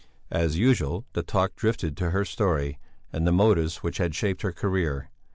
As usual the talk drifted to her story and the motives which had shaped her career.